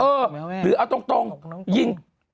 หรือเอาตรงยิง